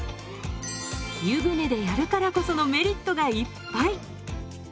湯船でやるからこそのメリットがいっぱい！